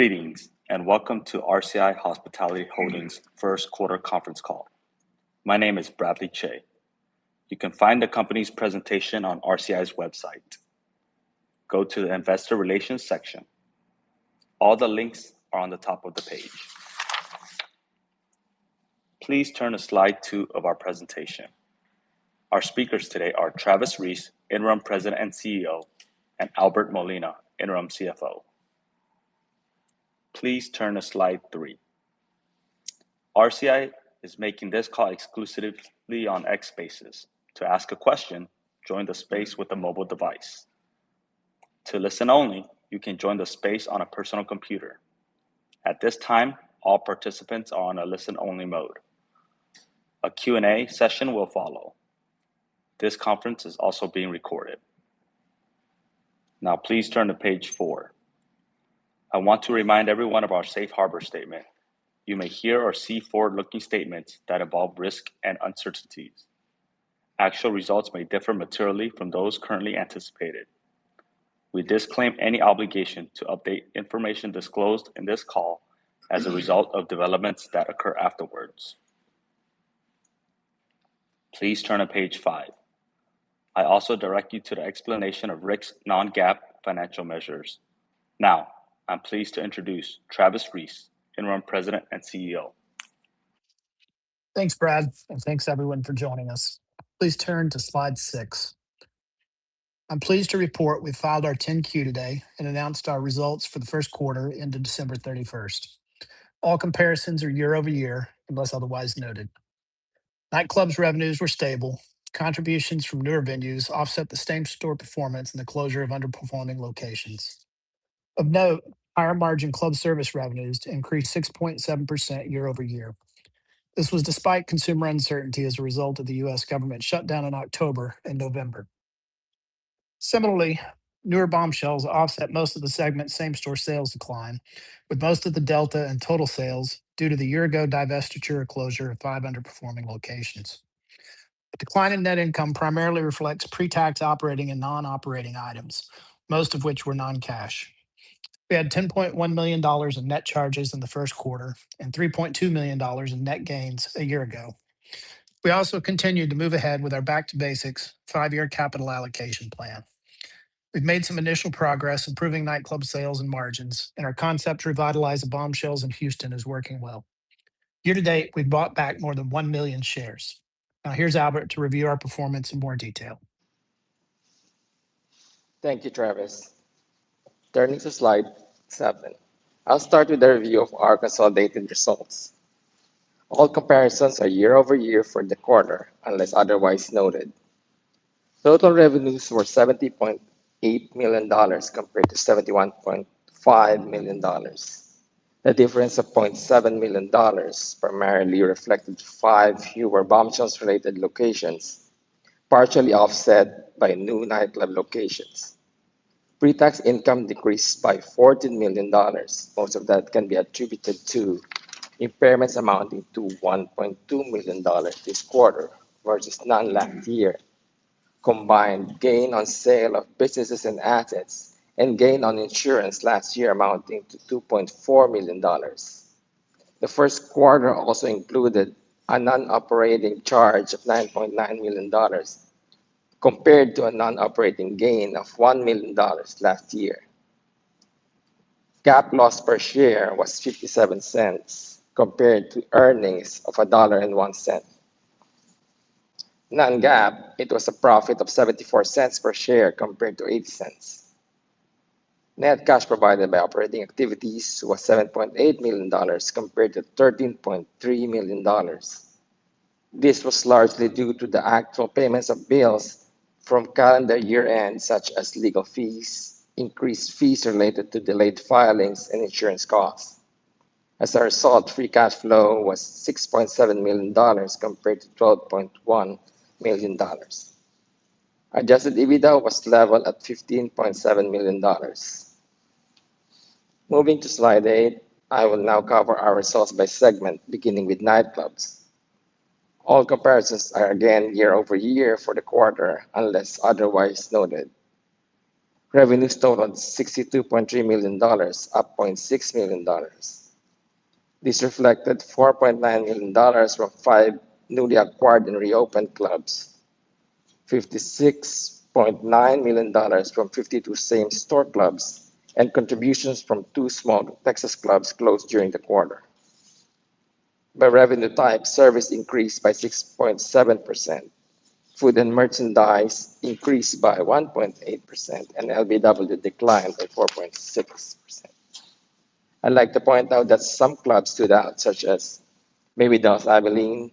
Greetings, welcome to RCI Hospitality Holdings first quarter conference call. My name is Bradley Chhay. You can find the company's presentation on RCI's website. Go to the Investor Relations section. All the links are on the top of the page. Please turn to slide two of our presentation. Our speakers today are Travis Reese, Interim President and CEO, and Albert Molina, Interim CFO. Please turn to slide three. RCI is making this call exclusively on X Spaces. To ask a question, join the space with a mobile device. To listen only, you can join the space on a personal computer. At this time, all participants are on a listen-only mode. A Q&A session will follow. This conference is also being recorded. Please turn to page four. I want to remind everyone of our safe harbor statement. You may hear or see forward-looking statements that involve risk and uncertainties. Actual results may differ materially from those currently anticipated. We disclaim any obligation to update information disclosed in this call as a result of developments that occur afterwards. Please turn to page five. I also direct you to the explanation of Rick's non-GAAP financial measures. I'm pleased to introduce Travis Reese, Interim President and CEO. Thanks, Brad, thanks everyone for joining us. Please turn to slide six. I'm pleased to report we filed our 10-Q today and announced our results for the first quarter ended December 31st. All comparisons are year-over-year, unless otherwise noted. Nightclubs revenues were stable. Contributions from newer venues offset the same-store performance and the closure of underperforming locations. Of note, higher margin club service revenues increased 6.7% year-over-year. This was despite consumer uncertainty as a result of the U.S. government shutdown in October and November. Similarly, newer Bombshells offset most of the segment same-store sales decline, with most of the delta in total sales due to the year-ago divestiture or closure of five underperforming locations. The decline in net income primarily reflects pre-tax operating and non-operating items, most of which were non-cash. We had $10.1 million in net charges in the first quarter and $3.2 million in net gains a year ago. We also continued to move ahead with our back to basics five-year capital allocation plan. We've made some initial progress improving nightclub sales and margins, and our concept to revitalize the Bombshells in Houston is working well. Year to date, we've bought back more than one million shares. Here's Albert to review our performance in more detail. Thank you, Travis. Turning to slide seven. I'll start with a review of our consolidated results. All comparisons are year-over-year for the quarter, unless otherwise noted. Total revenues were $70.8 million compared to $71.5 million. The difference of $0.7 million primarily reflected five fewer Bombshells-related locations, partially offset by new nightclub locations. Pre-tax income decreased by $14 million. Most of that can be attributed to impairments amounting to $1.2 million this quarter versus none last year. Combined gain on sale of businesses and assets and gain on insurance last year amounting to $2.4 million. The first quarter also included a non-operating charge of $9.9 million compared to a non-operating gain of $1 million last year. GAAP loss per share was $0.57 compared to earnings of $1.01. Non-GAAP, it was a profit of $0.74 per share compared to $0.80. Net cash provided by operating activities was $7.8 million compared to $13.3 million. This was largely due to the actual payments of bills from calendar year end, such as legal fees, increased fees related to delayed filings, and insurance costs. As a result, free cash flow was $6.7 million compared to $12.1 million. Adjusted EBITDA was level at $15.7 million. Moving to slide eight, I will now cover our results by segment, beginning with Nightclubs. All comparisons are again year-over-year for the quarter, unless otherwise noted. Revenues totaled $62.3 million, up $0.6 million. This reflected $4.9 million from five newly acquired and reopened clubs, $56.9 million from 52 same-store clubs, and contributions from two small Texas clubs closed during the quarter. By revenue type, service increased by 6.7%. Food and merchandise increased by 1.8%, and LBW declined by 4.6%. I'd like to point out that some clubs stood out, such as Mavis Dance Abilene,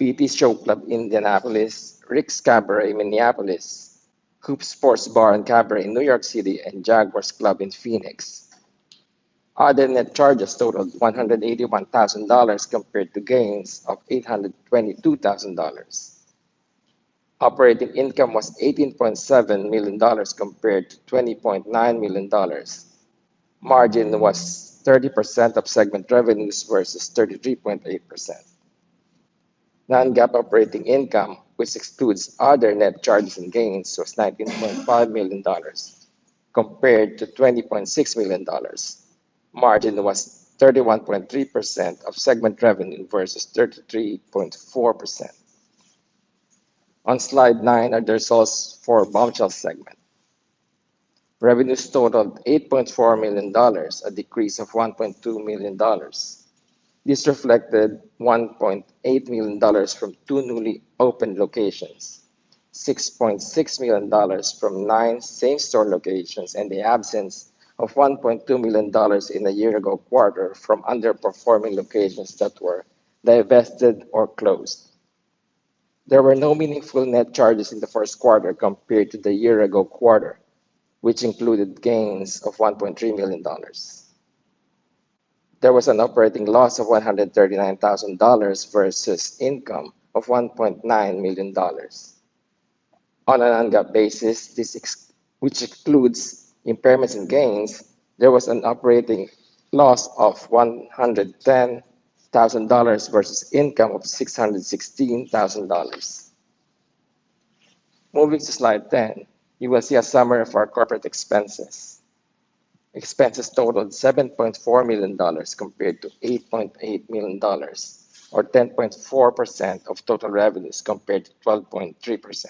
PT's Showclub Indianapolis, Rick's Cabaret in Minneapolis, Hoops Sports Bar and Cabaret in New York City, and Jaguars Club in Phoenix. Other net charges totaled $181,000 compared to gains of $822,000. Operating income was $18.7 million compared to $20.9 million. Margin was 30% of segment revenues versus 33.8%. Non-GAAP operating income, which excludes other net charges and gains, was $19.5 million compared to $20.6 million. Margin was 31.3% of segment revenue versus 33.4%. On slide nine are the results for Bombshells segment. Revenues totaled $8.4 million, a decrease of $1.2 million. This reflected $1.8 million from two newly opened locations, $6.6 million from nine same-store locations, and the absence of $1.2 million in the year-ago quarter from underperforming locations that were divested or closed. There were no meaningful net charges in the first quarter compared to the year-ago quarter, which included gains of $1.3 million. There was an operating loss of $139,000 versus income of $1.9 million. On a non-GAAP basis, which excludes impairments and gains, there was an operating loss of $110,000 versus income of $616,000. Moving to slide 10, you will see a summary of our corporate expenses. Expenses totaled $7.4 million compared to $8.8 million, or 10.4% of total revenues compared to 12.3%.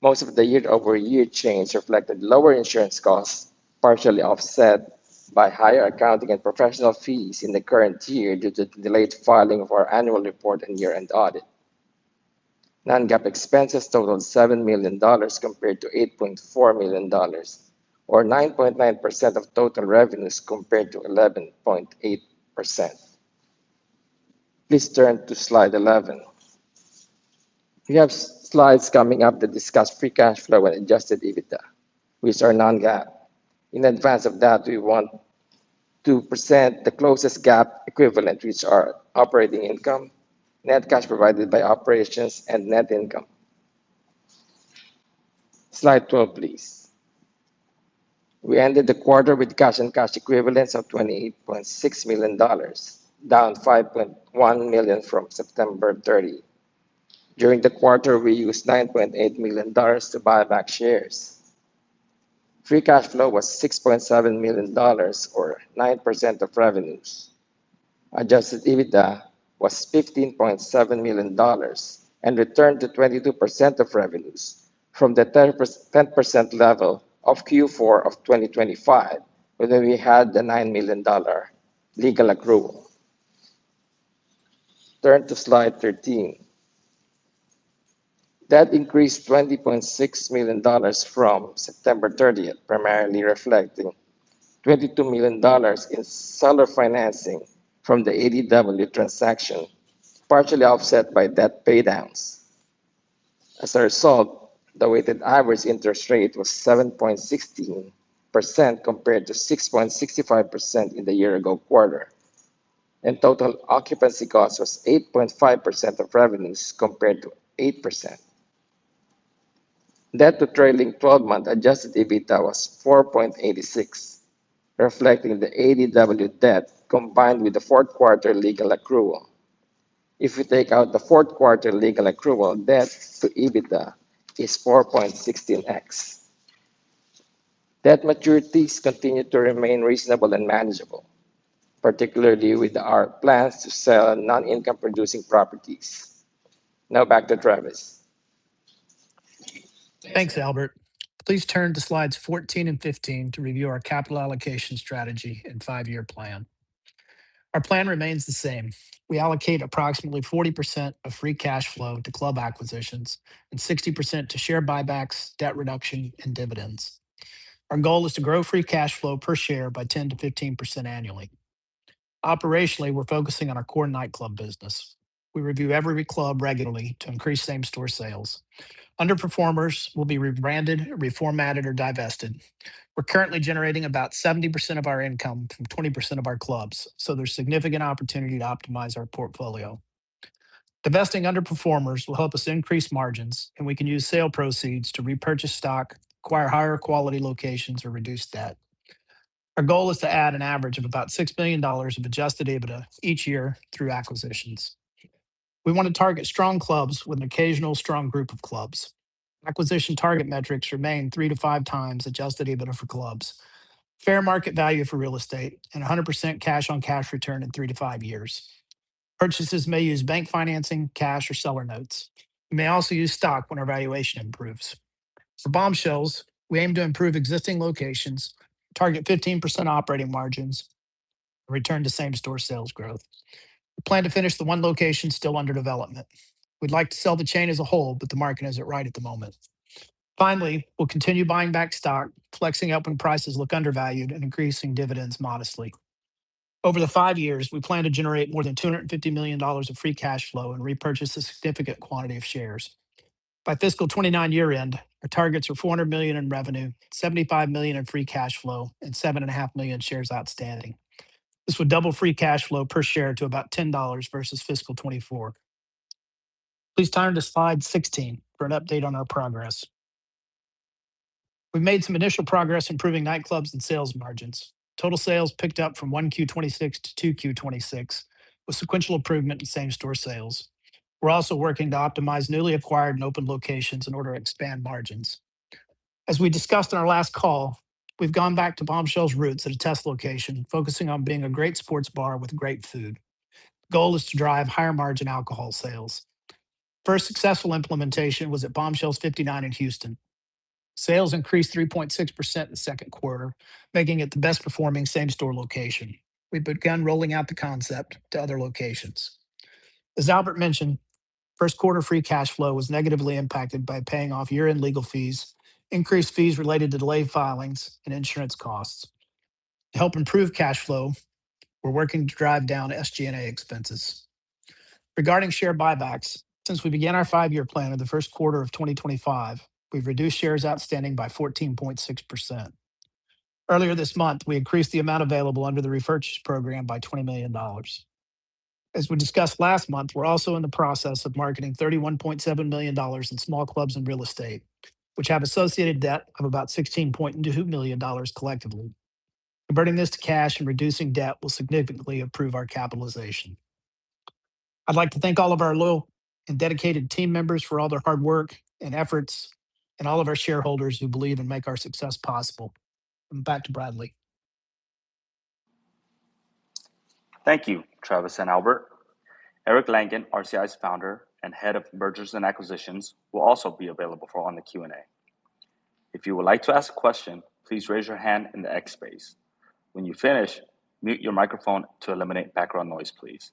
Most of the year-over-year change reflected lower insurance costs, partially offset by higher accounting and professional fees in the current year due to delayed filing of our annual report and year-end audit. Non-GAAP expenses totaled $7 million compared to $8.4 million, or 9.9% of total revenues compared to 11.8%. Please turn to slide 11. We have slides coming up that discuss free cash flow and adjusted EBITDA, which are non-GAAP. In advance of that, we want to present the closest GAAP equivalent, which are operating income, net cash provided by operations, and net income. Slide 12, please. We ended the quarter with cash and cash equivalents of $28.6 million, down $5.1 million from September 30. During the quarter, we used $9.8 million to buy back shares. Free cash flow was $6.7 million, or 9% of revenues. Adjusted EBITDA was $15.7 million and returned to 22% of revenues from the 10% level of Q4 of 2025, when we had the $9 million legal accrual. Turn to slide 13. Debt increased $20.6 million from September 30th, primarily reflecting $22 million in seller financing from the ADW transaction, partially offset by debt pay downs. As a result, the weighted average interest rate was 7.16% compared to 6.65% in the year-ago quarter. Total occupancy cost was 8.5% of revenues compared to 8%. Debt to trailing 12-month Adjusted EBITDA was 4.86, reflecting the ADW debt combined with the fourth quarter legal accrual. If we take out the fourth quarter legal accrual, debt to EBITDA is 4.16x. Debt maturities continue to remain reasonable and manageable, particularly with our plans to sell non-income producing properties. Now back to Travis. Thanks, Albert. Please turn to slides 14 and 15 to review our capital allocation strategy and five-year plan. Our plan remains the same. We allocate approximately 40% of free cash flow to club acquisitions and 60% to share buybacks, debt reduction, and dividends. Our goal is to grow free cash flow per share by 10%-15% annually. Operationally, we're focusing on our core nightclub business. We review every club regularly to increase same-store sales. Underperformers will be rebranded, reformatted, or divested. We're currently generating about 70% of our income from 20% of our clubs, so there's significant opportunity to optimize our portfolio. Divesting underperformers will help us increase margins, and we can use sale proceeds to repurchase stock, acquire higher quality locations, or reduce debt. Our goal is to add an average of about $6 million of adjusted EBITDA each year through acquisitions. We want to target strong clubs with an occasional strong group of clubs. Acquisition target metrics remain 3x-5x adjusted EBITDA for clubs, fair market value for real estate, and 100% cash on cash return in three to five years. Purchases may use bank financing, cash, or seller notes. We may also use stock when our valuation improves. For Bombshells, we aim to improve existing locations, target 15% operating margins, and return to same-store sales growth. We plan to finish the one location still under development. We'd like to sell the chain as a whole, but the market isn't right at the moment. Finally, we'll continue buying back stock, flexing up when prices look undervalued, and increasing dividends modestly. Over the five years, we plan to generate more than $250 million of free cash flow and repurchase a significant quantity of shares. By fiscal 2029 year-end, our targets are $400 million in revenue, $75 million in free cash flow, and 7.5 million shares outstanding. This would double free cash flow per share to about $10 versus fiscal 2024. Please turn to slide 16 for an update on our progress. We've made some initial progress improving Nightclubs and sales margins. Total sales picked up from 1Q 2026 to 2Q 2026, with sequential improvement in same-store sales. We're also working to optimize newly acquired and open locations in order to expand margins. As we discussed on our last call, we've gone back to Bombshells' roots at a test location, focusing on being a great sports bar with great food. The goal is to drive higher-margin alcohol sales. First successful implementation was at Bombshells 59 in Houston. Sales increased 3.6% in the second quarter, making it the best performing same-store location. We've begun rolling out the concept to other locations. As Albert mentioned, first quarter free cash flow was negatively impacted by paying off year-end legal fees, increased fees related to delayed filings, and insurance costs. To help improve cash flow, we're working to drive down SGA expenses. Regarding share buybacks, since we began our five-year plan in the 1st quarter of 2025, we've reduced shares outstanding by 14.6%. Earlier this month, we increased the amount available under the repurchase program by $20 million. As we discussed last month, we're also in the process of marketing $31.7 million in small clubs and real estate, which have associated debt of about $16.2 million collectively. Converting this to cash and reducing debt will significantly improve our capitalization. I'd like to thank all of our loyal and dedicated team members for all their hard work and efforts and all of our shareholders who believe and make our success possible. Back to Bradley. Thank you, Travis and Albert. Eric Langan, RCI's Founder and Head of Mergers and Acquisitions, will also be available on the Q&A. If you would like to ask a question, please raise your hand in the X Spaces. When you finish, mute your microphone to eliminate background noise, please.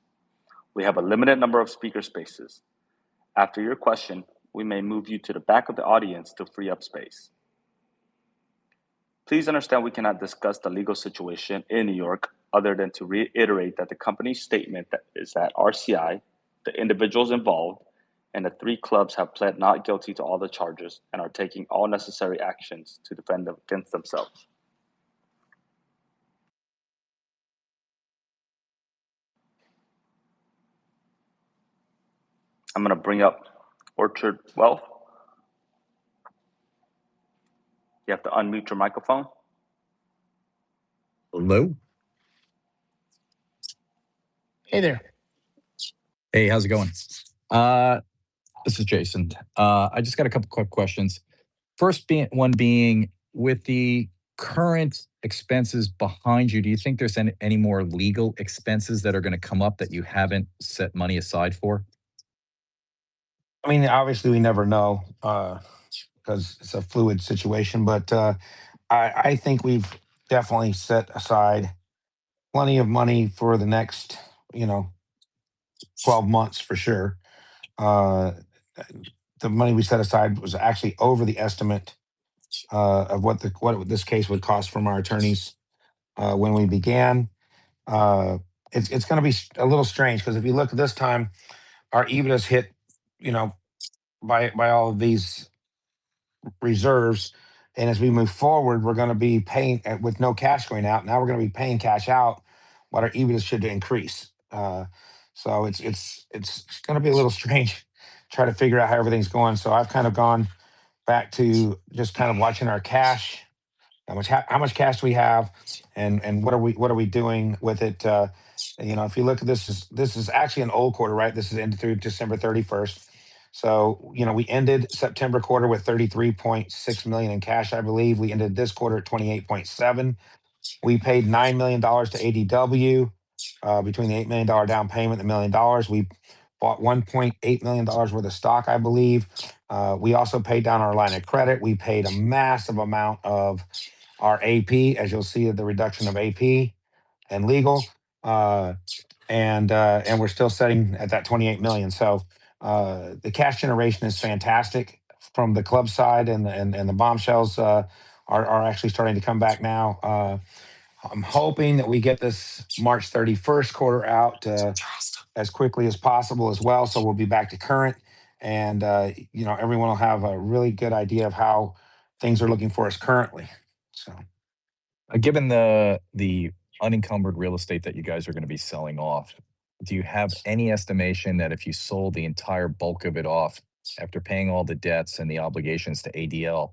We have a limited number of speaker spaces. After your question, we may move you to the back of the audience to free up space. Please understand we cannot discuss the legal situation in New York other than to reiterate that the company's statement that is at RCI, the individuals involved, and the three clubs have pled not guilty to all the charges and are taking all necessary actions to defend themselves. I'm gonna bring up Orchard Wealth. You have to unmute your microphone. Hello. Hey there. Hey, how's it going? This is Jason. I just got a couple quick questions. First one being, with the current expenses behind you, do you think there's any more legal expenses that are gonna come up that you haven't set money aside for? I mean, obviously we never know, 'cause it's a fluid situation, but I think we've definitely set aside plenty of money for the next, you know, 12 months for sure. The money we set aside was actually over the estimate of what this case would cost from our attorneys, when we began. It's, it's gonna be a little strange 'cause if you look at this time, our EBITDA's hit, you know, all of these reserves, and as we move forward, we're gonna be paying with no cash going out. Now we're gonna be paying cash out while our EBITDA should increase. It's, it's gonna be a little strange to try to figure out how everything's going. I've kind of gone back to just kind of watching our cash, how much cash we have and what are we doing with it. You know, if you look at this is, this is actually an old quarter, right? This is end through December 31st. You know, we ended September quarter with $33.6 million in cash, I believe. We ended this quarter at $28.7 million. We paid $9 million to ADW, between the $8 million down payment and the $1 million. We bought $1.8 million worth of stock, I believe. We also paid down our line of credit. We paid a massive amount of our AP, as you'll see, the reduction of AP and legal. We're still sitting at that $28 million. The cash generation is fantastic from the club side and the Bombshells are actually starting to come back now. I'm hoping that we get this March 31st quarter out. As quickly as possible as well, so we'll be back to current and, you know, everyone will have a really good idea of how things are looking for us currently. Given the unencumbered real estate that you guys are gonna be selling off, do you have any estimation that if you sold the entire bulk of it off after paying all the debts and the obligations to ADW,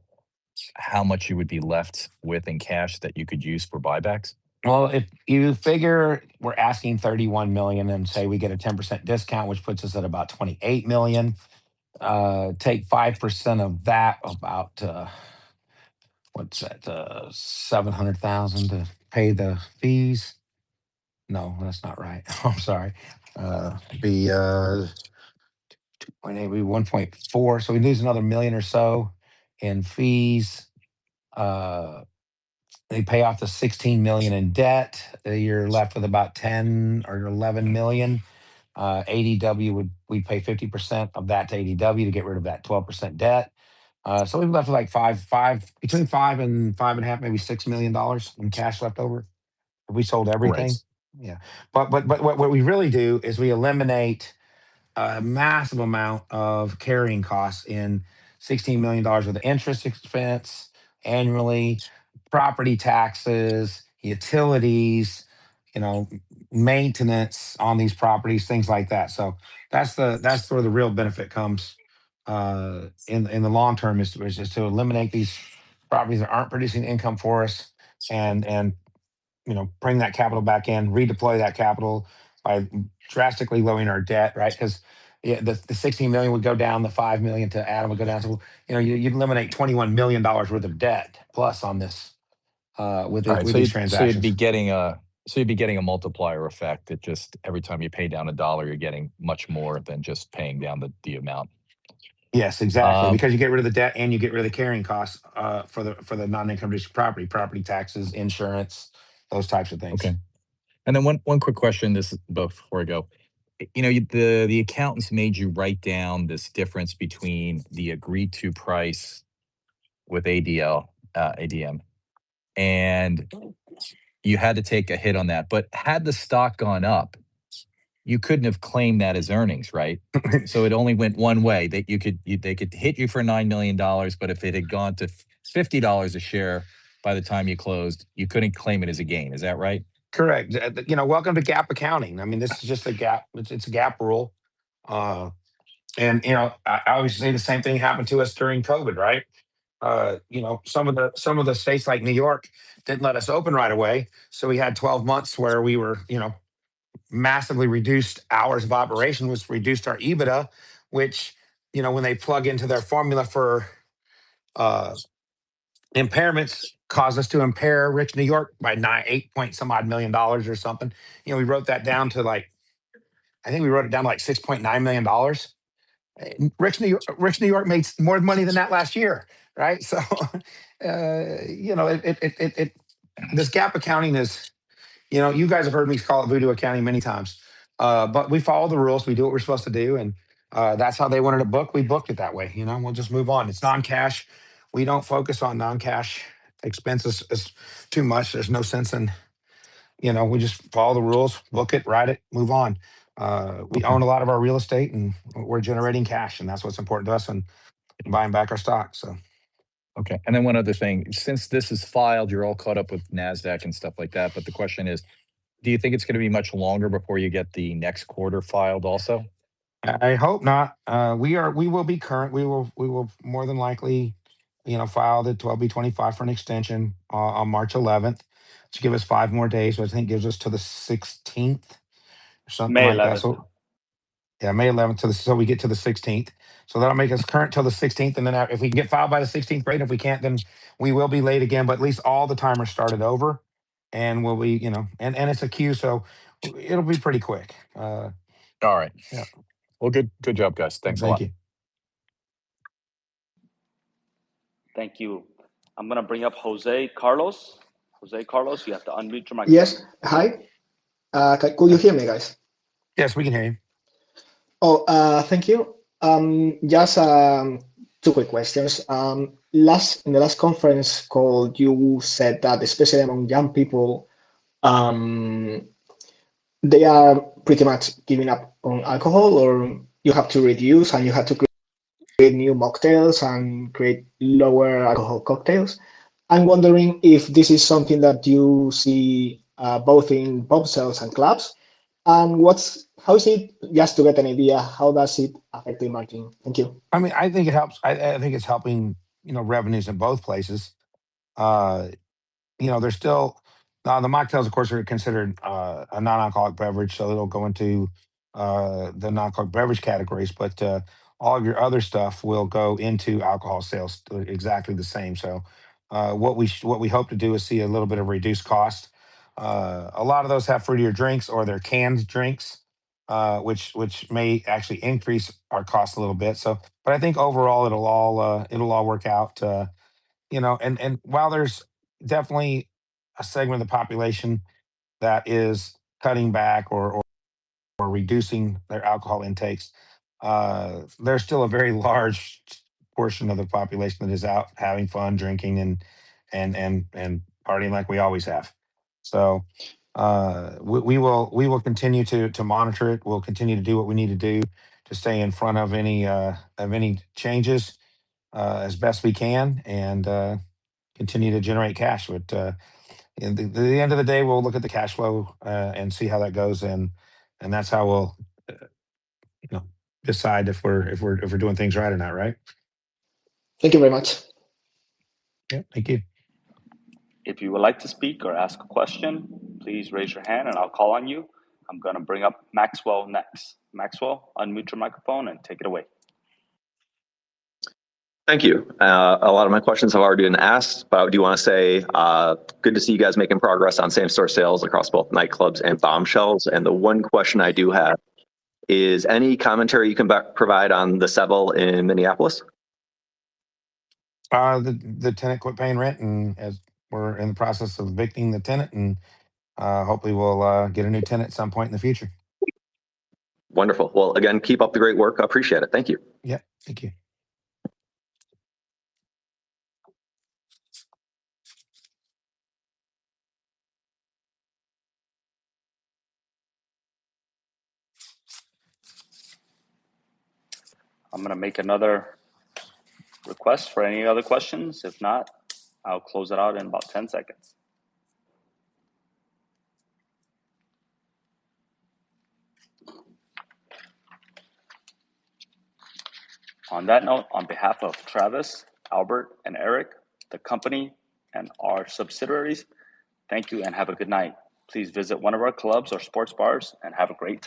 how much you would be left with in cash that you could use for buybacks? If you figure we're asking $31 million and say we get a 10% discount, which puts us at about $28 million, take 5% of that, about, what's that? $700,000 to pay the fees. No, that's not right. I'm sorry. It'd be $2.8, be $1.4. We'd lose another $1 million or so in fees. They pay off the $16 million in debt. You're left with about $10 million or $11 million. We pay 50% of that to ADW to get rid of that 12% debt. We'd be left with like between $5 million and $5.5 million, maybe $6 million in cash left over if we sold everything. Great. Yeah. What we really do is we eliminate a massive amount of carrying costs in $16 million worth of interest expense annually, property taxes, utilities. You know, maintenance on these properties, things like that. That's where the real benefit comes in the long term is to eliminate these properties that aren't producing income for us and, you know, bring that capital back in, redeploy that capital by drastically lowering our debt, right? 'Cause the $16 million would go down, the $5 million to ADW would go down. You know, you'd eliminate $21 million worth of debt plus on this. All right. With these transactions. You'd be getting a multiplier effect that just every time you pay down $1 you're getting much more than just paying down the amount. Yes, exactly. Um- Because you get rid of the debt and you get rid of the carrying costs, for the non-income producing property. Property taxes, insurance, those types of things. Okay. One quick question, this is Before I go. You know, the accountants made you write down this difference between the agreed to price with ADW, and you had to take a hit on that. Had the stock gone up, you couldn't have claimed that as earnings, right? It only went one way. They could hit you for $9 million, if it had gone to $50 a share by the time you closed, you couldn't claim it as a gain. Is that right? Correct. You know, welcome to GAAP accounting. I mean, this is just a GAAP. It's a GAAP rule. You know, I obviously the same thing happened to us during COVID, right? You know, some of the states like N.Y. didn't let us open right away, so we had 12 months where we were, you know, massively reduced hours of operation, which reduced our EBITDA, which, you know, when they plug into their formula for impairments, caused us to impair Rick's New York by $8 point some odd million or something. You know, we wrote that down to like, I think we wrote it down to $6.9 million. Rick's New York makes more money than that last year, right? You know, This GAAP accounting is, you know, you guys have heard me call it voodoo accounting many times. We follow the rules. We do what we're supposed to do and, that's how they wanted to book, we booked it that way, you know. We'll just move on. It's non-cash. We don't focus on non-cash expenses as too much. There's no sense in, you know, we just follow the rules, book it, write it, move on. We own a lot of our real estate and we're generating cash, and that's what's important to us, and buying back our stock. Okay. One other thing. Since this is filed, you're all caught up with Nasdaq and stuff like that, the question is do you think it's gonna be much longer before you get the next quarter filed also? I hope not. We will be current. We will more than likely, you know, file the 12B25 for an extension on March 11th to give us five more days, which I think gives us to the 16th or something like that. May 11th. Yeah, May 11th to the, so we get to the 16th. That'll make us current till the 16th, and then if we can get filed by the 16th, great. If we can't, then we will be late again, but at least all the timers started over and we'll be, you know. It's a queue, so it'll be pretty quick. All right. Yeah. Well, good job, guys. Thanks a lot. Thank you. Thank you. I'm gonna bring up Jose Carlos. Jose Carlos, you have to unmute your microphone. Yes. Hi. Could you hear me, guys? Yes, we can hear you. Thank you. Just two quick questions. Last, in the last conference call you said that especially among young people, they are pretty much giving up on alcohol or you have to reduce and you have to create new mocktails and create lower alcohol cocktails. I'm wondering if this is something that you see both in Bombshells and clubs. How is it, just to get an idea, how does it affect the margin? Thank you. I mean, I think it helps. I think it's helping, you know, revenues in both places. You know, there's still the mocktails of course are considered a non-alcoholic beverage, so it'll go into the non-alcoholic beverage categories. All of your other stuff will go into alcohol sales exactly the same. What we hope to do is see a little bit of reduced cost. A lot of those have fruitier drinks or they're canned drinks, which may actually increase our cost a little bit. I think overall it'll all work out. You know, while there's definitely a segment of the population that is cutting back or reducing their alcohol intakes, there's still a very large portion of the population that is out having fun, drinking and partying like we always have. We will continue to monitor it. We'll continue to do what we need to do to stay in front of any of any changes as best we can, and continue to generate cash. In the end of the day we'll look at the cash flow and see how that goes and that's how we'll, you know, decide if we're doing things right or not, right? Thank you very much. Yeah. Thank you. If you would like to speak or ask a question, please raise your hand and I'll call on you. I'm gonna bring up Maxwell next. Maxwell, unmute your microphone and take it away. Thank you. A lot of my questions have already been asked, but I do want to say, good to see you guys making progress on same store sales across both Nightclubs and Bombshells. The one question I do have is any commentary you can provide on the Seville in Minneapolis? The tenant quit paying rent and as we're in the process of evicting the tenant and hopefully we'll get a new tenant at some point in the future. Wonderful. Well, again, keep up the great work. I appreciate it. Thank you. Yeah. Thank you. I'm gonna make another request for any other questions. If not, I'll close it out in about 10 seconds. On that note, on behalf of Travis, Albert and Eric, the company and our subsidiaries, thank you and have a good night. Please visit one of our clubs or sports bars and have a great day.